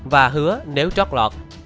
và hứa nếu trót lọt